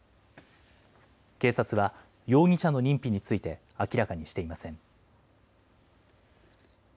警察は容疑者の認否について明らかにしていません。